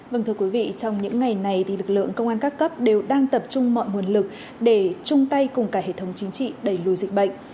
vâng thưa quý vị trong những ngày này thì lực lượng công an các cấp đều đang tập trung mọi nguồn lực để chung tay cùng cả hệ thống chính trị đẩy lùi dịch bệnh